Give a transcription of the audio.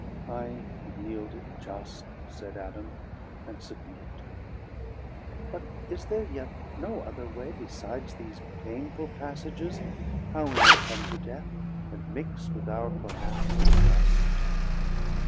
I yeild it just, said Adam, and submit. But is there yet no other way, besides These painful passages, how we may come To Death, and mix with our connatural dust?